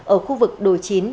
ở khu vực đồi chín